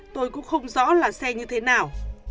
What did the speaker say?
tôi cũng không rõ là xe như thế nào